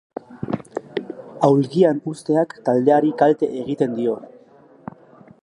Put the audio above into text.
Aulkian uzteak taldeari kalte egiten dio.